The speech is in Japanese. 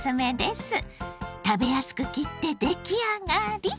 食べやすく切ってできあがり